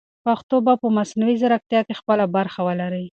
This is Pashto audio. پښتو به په مصنوعي ځیرکتیا کې خپله برخه ولري.